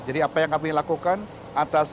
jadi apa yang kami lakukan atas